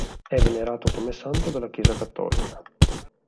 È venerato come santo dalla chiesa cattolica.